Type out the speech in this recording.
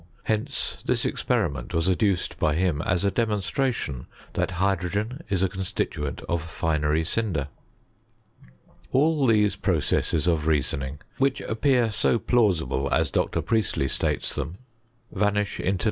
Hence this experiment was adduced by him as a demonstration that hydrogen is a con stituent of finery cinder. All these processes of reasoning, which appear so plausible as Dr. Priestley states them, vanish into BIBTOKT OF CHEKIKTRT.